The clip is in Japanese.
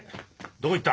どこ行った？